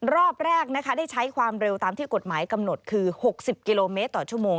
รอบแรกนะคะได้ใช้ความเร็วตามที่กฎหมายกำหนดคือ๖๐กิโลเมตรต่อชั่วโมง